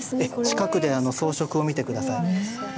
近くで装飾を見て下さい。